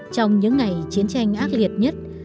trong những ngày chiến tranh ác liệt nhất